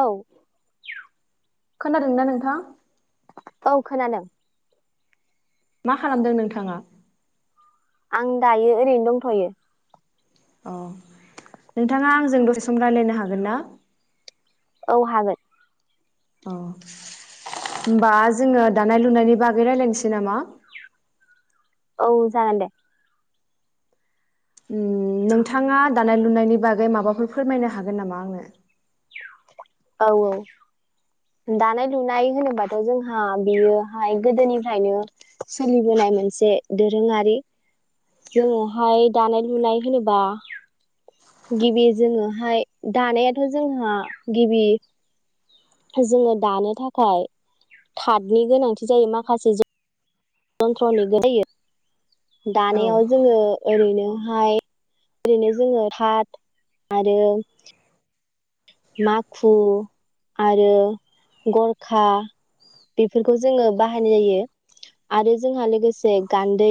औ। खोनादोंना नोंथां? औ खोनादों। मा खालामदों नोंथाङा? आं दायो ओरैनो दंथ'यो। अह नोंथाङा आंजों दसे सम रायलायनो हागोन ना? औ हागोन। अ' होमबा जोङो दानाय लुनायनि बागै रायलायनोसै नामा? औ जागोन दे। उम नोंथाङा दानाय लुनायनि बागै माबाफोर फोरमायनो हागोन नामा आंनो? औ औ। दानाय लुनाय होनोबाथ' जोंहा बियोहाय गोदोनिफ्रायनो सोलिबोनाय मोनसे दोरोङारि जोङोहाय दानाय लुनाय होनोबा गिबि जोङोहाय दानायाथ' जोंहा गिबि जोङो दानो थाखाय तादनि गोनांथि जायो माखासे ज जन्थ्र'निबो जायो। औ दानायाव जोङो ओरैनोहाय ओरैनो जोङो ताद आरो माखु आरो गरखा बेफोरखौ जोङो बाहायनाय जायो आरो जोंहा लोगोसे गान्दै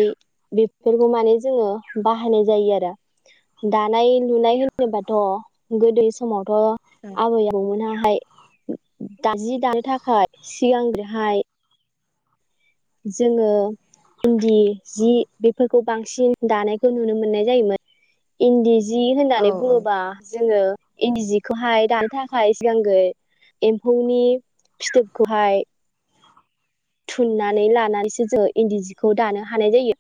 बेफोरखौ माने जोङो बाहायनाय जायो आरो दानाय लुनाय होनोबाथ' गोदो समावथ' आबै आबौ मोना हाय दा जि दानो थाखाय सिगांग्रोहाय जोङो इन्दि जि बेफोरखौ बांसिन दानायखौ नुनो मोननाय जायोमोन। इन्दि जि औ होननानै बुङोबा जोङो इन्दि जिखौहाय दानो थाखाय सिगांगो एम्फौनि फिथोबखौहाय थुननानै लानानैसो जोङो इन्दि जिखौ दानो हानाय जायो।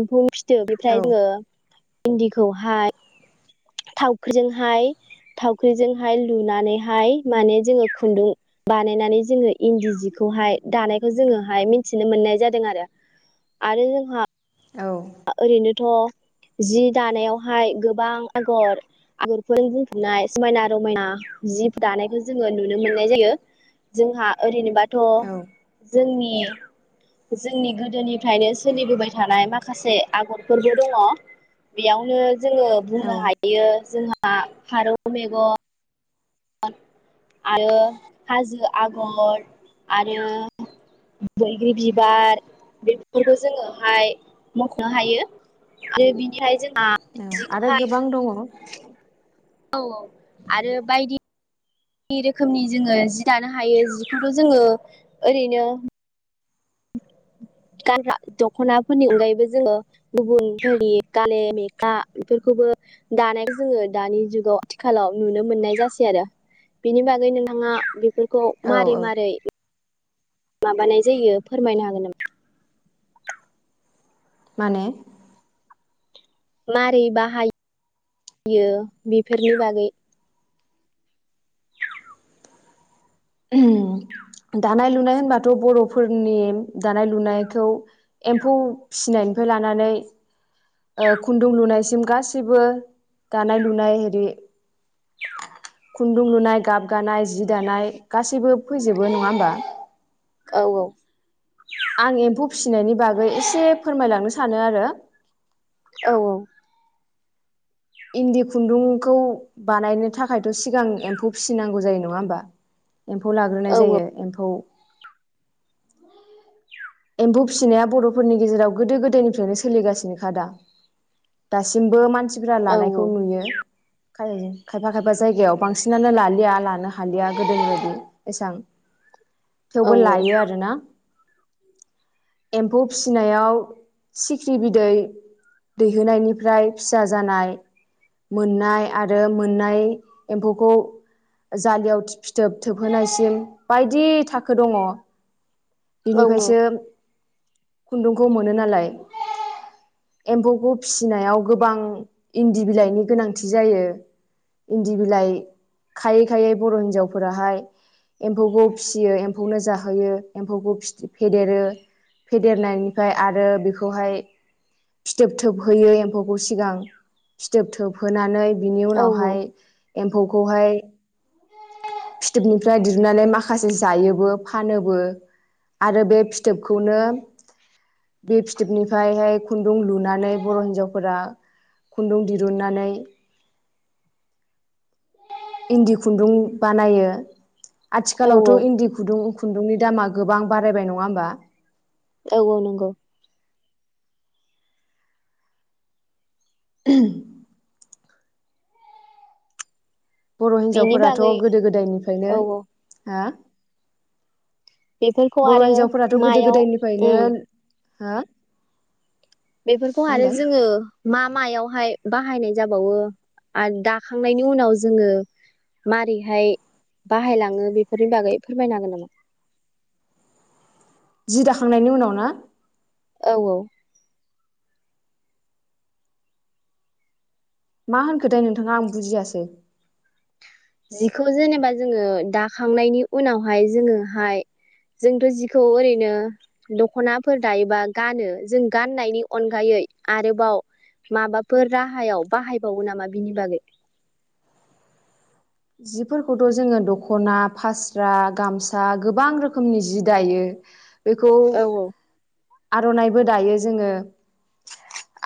एम्फौ फि औ थोबनिफ्राय जोङो इन्दिखौहाय थावख्रिजोंहाय, थावख्रिजोंहाय लुनानैहाय माने जोङो खुन्दुं बानायनानै जोङो इन्दि जिखौहाय दानायखौ जोङोहाय मिनथिनो मोननाय जादों आरो आरो जोंहा औ ओरैनौ थ' जि दानायावहाय गोबां आगर, आगरफोर बुंफबनाय समायना रमायना जि दानायखौ जोङो नुनो मोननाय जायो जोंहा ओरैनोबा थ' औ जोंनि, जोंनि गोदोनिफ्रायनो सोलिबोबाय थानाय माख खासे आगरफोरबो दङ बेयावनो जोङो औ बुंनो हायो जोंहा हा फारौ मेगन आरो हाजो आगर आरो बैग्रि बिबार बेफोरखौबो जोङोहाय मख'नो हायो। दे बिदिहाय जोंहा औ आरो जिखौहाय गोबां दङ औ औ औ आरो बायदि बायदि रोखोमनि जोङो जि दानो हायो जिखौथ' जोङो ओरैनो गानग्रा दख'नाफोरनि अनगायैबो जोङो गुबुन हारि गाले मेखा बेफोरखौबो दानाय जोङो दानि जुगाव आथिखालाव नुनो मोननाय जासै आरो बेनि बागै नोंथाङा बेफोर खौ मारै औ मारै माबानाय जायो फोरमायनो हागोन नामा? माने मारै बाहायो बेफोरनि बागै दानाय लुनाय होनबाथ' बर'फोरनि दानाय लुनायखौ एम्फौ फिनायनिफ्राय लानानै ओ खुन्दुं लुनायसिम गासैबो दानाय लुनाय आरि खुन्दुं लुनाय गाब गानाय जि दानाय गासैबो फैजोबो नङा होमबा? औ औ आं एम्फौ फिसिनायनि बागै एसे फोरमायलांनो सानो आरो। औ औ इन्दि खुन्दुंखौ बानायनो थाखायथ' सिगां एम्फौ फिसिनांगौ जायो नङा होमबा? एम्फौ औ लाग्रोनाय जायो एम्फौ एम्फौ फिसिनाया बर'फोरनि गेजेराव गोदो गोदायनिफ्रायनो सोलिगासिनोखा दा दासिमबो मानसि फोरा औ लानायखौ नुयो। खायफा खायफा जायगायाव बांसिनानो लालिया लानो हालिया गोदोनि बायदि एसेबां औ थेवबो लायो आरो ना एम्फौ फिसिनायाव सिख्रि बिदै दैहोनायनिफ्राय फिसा जानाय मोननाय आरो मोननाय एम्फौखौ जालियाव फिथोब थोबहोनायसिम बायदि थाखो दङ। औ बिनिफायसो खुन्दुंखौ मोनो नालाय एम्फौखौ फिसिनायाव गोबां इन्दि बिलाइनि गोनांथि जायो इन्दि बिलाइ खायै खायै बर' हिन्जावफोराहाय एम्फौखौ फिसियो एम्फौनो जाहोयो। एम्फौखौ फेदेरो फेदेरनायनिफ्राय आरो बेखौहाय फिथोब थोब होयो एम्फौखौ सिगां फिथोब थोबहोनानै बिनि उनावहाय एम्फौखौहाय फिथोबनिफ्राय दिहुननानै माखासे जायोबो फानोबो। आरो बे फिथोबखौनो बे फिथोबनिफ्रायहाय खुन्दुं लुनानै बर' हिन्जावफोरा खुन्दुं दिरुननानै इन्दि खुन्दुं बानायो। औ आथिखालावथ' इन्दि खुदुं खुन्दुंनि दामा गोबां बारायबाय नङा होमबा? औ औ नंगौ। [unintelligible] बर' बेनि हिनजावफोराथ' बागै गोदो गोदायनिफ्रायनो औ औ हो बेफोरखौ बर' आरो हिनजावफोराथ' गोदो मायाव उम गोदायनिफ्रायनो हा बेफोरखौ आरो जोङो मा मायावहाय बाहायनाय जाबावो आरो दाखांनायनि उनाव जोङो मारैहाय बाहायलाङो बेफोरनि बागै फोरमायनो हागोन नामा? सिदाखांनायनि उनाव ना? औ औ मा होनखो थाय नोंथाङा आं बुजियासो। जिखौ जेनेबा जोङो दाखांनायनि उनावहाय जोङोहाय जोंथ' जिखौ ओरैनो दख'नाफोर दायोबा गानो जों गाननायनि अनगायै आरोबाव माबाफोर राहायाव बाहायबावो नामा बिनि बागै। जिफोरखौथ' जोङो दख'ना फास्रा गामसा गोबां रोखोमनि जि दायो। औ औ [unintelligible] आर'नाइबो दायो जोङो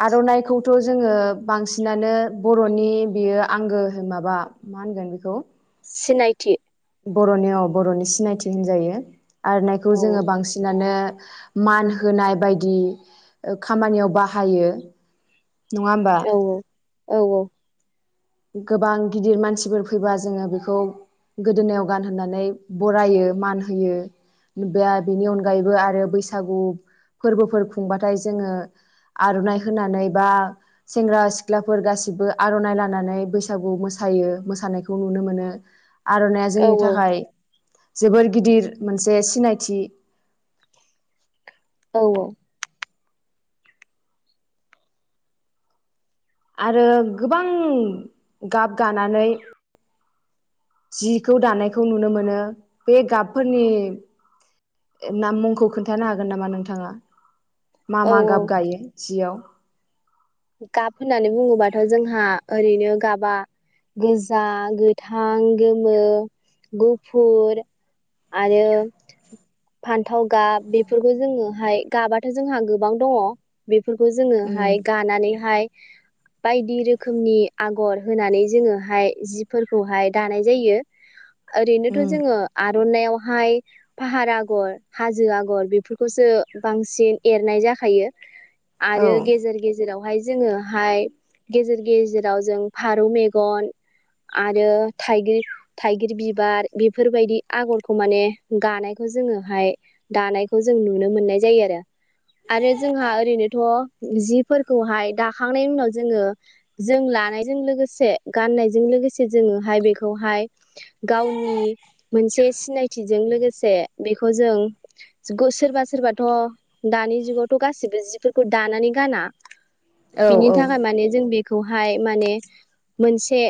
आर'नाइखौथ' जोङो बांसिनानो बर'नि बेयो आंगो माबा मा होनगोन बेखौ? सिनायथि। बर'नियाव बर'नि सिनायथि होनजायो। आर'नायखौ औ जोङो बांसिनानो। मान होनाय बायदि खामानियाव बाहायो। नङा होमबा औ औ औ औ। गोबां गिदिर मानसिफोर फैबा जोङो बेखौ गोदोनायाव गानहोननानै बरायो मान होयो बे बेनि अनगायैबो आरो बैसागु फोरबोफोर खुंबाथाय जोङो आर'नाइ होनानै बा सेंग्रा सिख्लाफोर गासिबो आर'नाइ लानानै। नानै बैसागु मोसायो मोसानायखौ नुनो मोनो। आर'नाइा औ जोंनि थाखाय। जोबोर गिदिर मोनसे सिनायथि। औ औ। आरो गोबां गाब गानानै। जिखौ दानायखौ नुनो मोनो बे गाबफोरनि नाम मुंखौ खोन्थानो हागोन नामा नोंथाङा। मा औ मा औ गाब गायो जियाव गाब होननानै बुङोबाथ' जोंहा ओरैनो गाबा गोजा, गोथां, गोमो, गुफुर आरो फान्थाव गाब बेफोरखौ जोङोहाय गाबाथ' जोंहा गोबां दङ। बेफोरखौ जोङो उम हाइ। निहाय बायदि रोखोमनि आगर होनानै जोङोहाय जिफोरखौहाय दानाय जायो। ओरैनोथ' उम जोङो आर'नायाव। बेहाय फाहार आगर, हाजो आगर बेफोरखौसो बांसिन एरनाय जाखायो। औ आरो गेेजेर गेेजेर। बेहाय जोङोहाय गेजेर-गेजेराव जों फारौ मेगन आरो थाइगिर-थाइगिर बिबार बेफोरबायदि आगरखौ माने दानायखौ जोङोहाय दानायखौ जों नुनो मोननाय जायो आरो। आरो जोंहा ओरैनोथ' जि। फोरखौहाय दाखांनायनि उनाव जोङो जों लानायजों लोगोसे गाननायजों लोगोसे जोङोहाय बेखौहाय गावनि मोनसे सिनायथिजों लोगोसे बेखौ गो जों सोरबा सोरबाथ' दानि जुगावथ' गासिबो जिफोरखौ दानानै गाना। औ बिनि औ थाखाय माने जों बे खौहाय माने मोनसे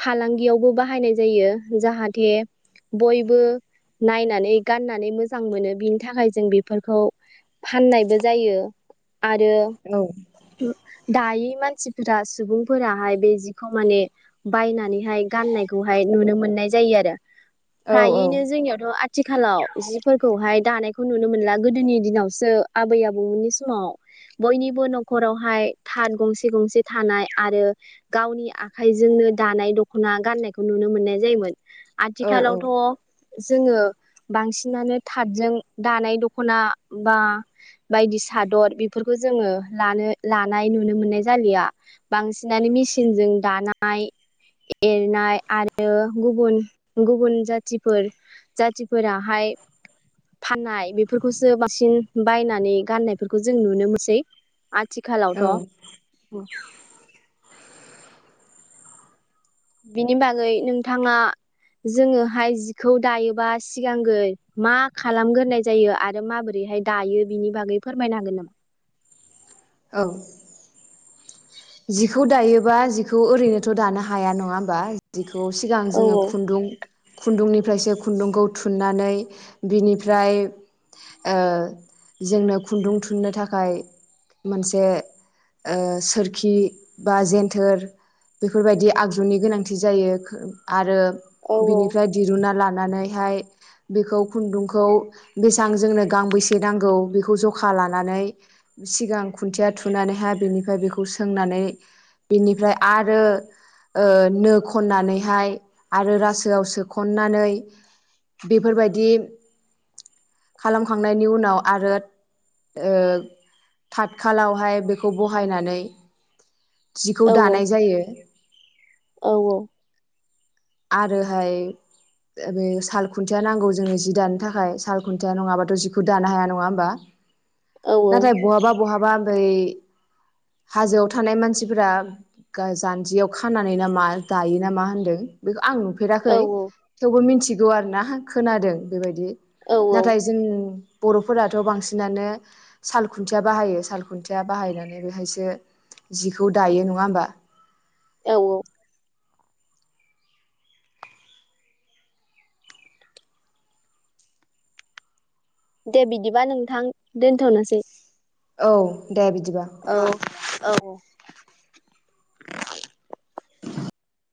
फालांगियावबो बाहायनाय जायो जाहाथे बयबो नायनानै गाननानै मोजां मोनो बिनि थाखाय जों बेफोरखौ फाननायबो जायो। आरो। औ दानि मानसिफोरा सुबुंफोराहाय बे जिखौ माने बायनानैहाय गाननायखौहाय नुनो मोननाय जायो आरो। औ फ्रायैनो जोंनियावथ' आथिखालाव जिफोरखौहाय। दानायखौ नुनो मोनला गोदोनि दिनावसो आबै-आबौमोननि समाव बयनिबो न' नखरावहाय थाथ गंसे गंसे थानाय आरो गावनि आखाइजोंनो दानाय दख'ना गाननायखौ नुनो मोननाय जायोमोन। औ औ आथिखालावथ'। जोङो बांसिनानो थाथजों दानाय दख'ना बा बायदि सादर बेफोरखौ जोङो लानो-लानाय नुनो मोननाय जालिया बांसिनानो मेसिनजों दानाय-एरनाय आरो गुबुन-गुबुन जाथिफोर जाथिफोराहाय फाननाय बेफोरखौसो बांसिन बायनानै गाननायफोरखौ जों नुनो मोनसै। आथिखालावथ' औ बिनि बागै नोंथाङा जोङोहाय जिखौ दायोबा सिगांग्रो मा खालामग्रोनाय जायो आरो माबोरैहाय दायो बिनि बागै फोरमायनो हागोन नामा? औ जिखौ दायोबा जि बेखौ ओरैनोथ' दानो हाया नङा होमबा सिगां औ जोङो औ खुन्दुं खुन्दुंनिफ्रायसो खुन्दुंखौ थुननानै बिनिफ्राय ओ जोंनो खुन्दुं थुननो थाखाय मोनसे ओ सोर खि बा जेन्थोर बेफोरबायदि आगजुनि गोनांथि जायो आरो औ बिनिफ्राय दिरुना ला नानैहाय बेखौ खुन्दुंखौ बेसां जोंनो गांबेसे नांगौ बेखौ जखा लानानै सिगां खुन्थिया थुनानैहाय बेनिफ्राइ बेखौ सोंनानै बेनिफ्राय आरो ओ नो खननानैहाय आरो रासोआव सोखननानै बेफोरबायदि खालाम खांनायनि उनाव आरो ओ थाथ खालावहाय बेखौ बहायनानै जिखौ औ दानाय जायो औ औ आरोहाय बे साल खुन्थिया नांगौ जोंनो जि दानो थाखाय साल खुन्थिया नङाबाथ' जिखौ दानो हाया नङा होमबा औ नाथाय बहाबा बहाबा [unintelligible] हाजोआव थानाय मानसिफोरा गा जान्जियाव खानानै नामा दायो नामा होन्दों बेखौ आं नुफेराखै औ थेवबो मिथिग गुवार ना खोनादों बेबायदि औ नाथाय जों बर'फोराथ' बांसिनानो साल खुन्थिया बाहायो साल खुन्थिया बाहायनानै बेहाय बे जिखौ दायो नङा होमबा औ औ दे बिदिबा नोंथां दोनथ'नोसै औ दे बिद औ औ